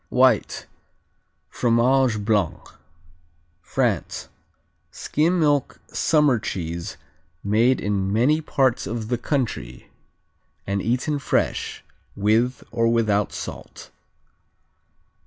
White, Fromage Blanc France Skim milk summer cheese made in many parts of the country and eaten fresh, with or without salt.